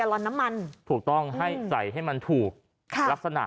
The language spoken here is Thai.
ลอนน้ำมันถูกต้องให้ใส่ให้มันถูกค่ะลักษณะ